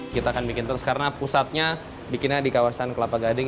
kita akan bikin terus karena pusatnya bikinnya di kawasan kelapa gading